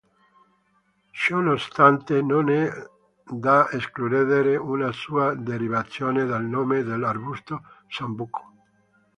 Ciononostante, non è da escludere una sua derivazione dal nome dell'arbusto "sambuco".